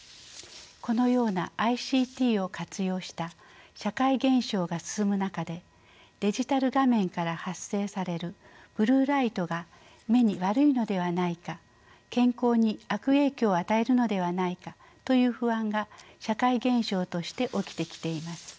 このようなＩＣＴを活用した社会現象が進む中でデジタル画面から発生されるブルーライトが目に悪いのではないか健康に悪影響を与えるのではないかという不安が社会現象として起きてきています。